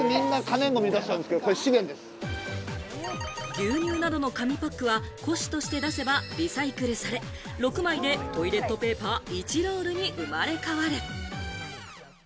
牛乳などの紙パックは古紙として出せばリサイクルされ、６枚でトイレットペーパー１ロールに生まれ変わる。